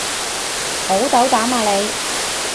好斗膽啊你